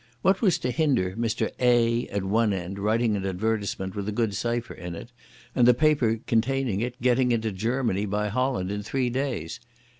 What was to hinder Mr A at one end writing an advertisement with a good cipher in it, and the paper containing it getting into Germany by Holland in three days?